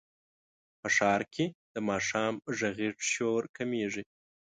په ښار کې د ماښام غږیز شور کمېږي.